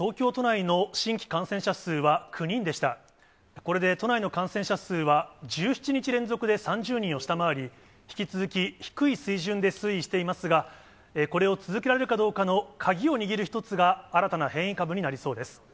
これで都内の感染者数は１７日連続で３０人を下回り、引き続き低い水準で推移していますが、これを続けられるかどうかの鍵を握る１つが新たな変異株になりそうです。